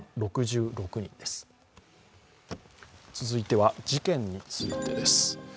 続いては、事件についてです。